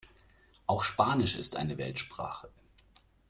Auch Spanisch ist eine Weltsprache.